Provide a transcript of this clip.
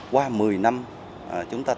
qua một mươi năm